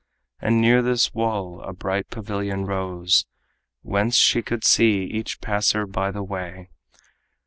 And near this wall a bright pavilion rose, Whence she could see each passer by the way.